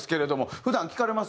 普段聴かれます？